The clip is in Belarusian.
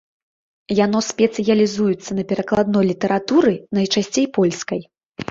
Яно спецыялізуецца на перакладной літаратуры, найчасцей польскай.